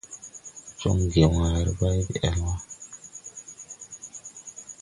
Jɔŋge wããre bay de-ɛl wà.